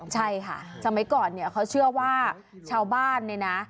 ใช่ค่ะสมัยก่อนเขาเชื่อว่าชาวบ้านนะ